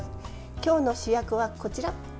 今日の主役はこちら。